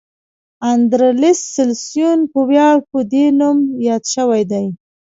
اندرلس سلسیوس په ویاړ په دې نوم یاد شوی دی.